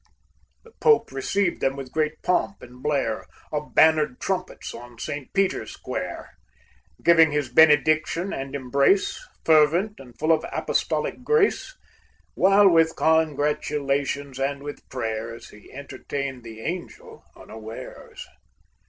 The Pope received them with great pomp and blare Of bannered trumpets, on St. Peter's Square, Giving his benediction and embrace, Fervent, and full of apostolic grace. While with congratulations and with prayers He entertained the Angel unawares.